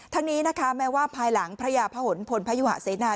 ทั้งนี้นะคะแม้ว่าภายหลังพระยาพะหนพลพยุหะเสนา